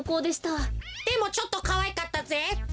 でもちょっとかわいかったぜ。